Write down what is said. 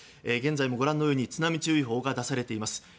現在もご覧のように津波注意報が出されています。